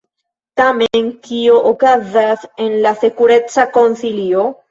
Tamen kio okazas en la Sekureca Konsilio?